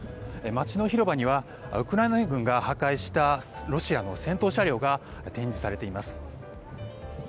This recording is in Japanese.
街の広場にはウクライナ軍が破壊したロシアの戦闘車両が展示されています。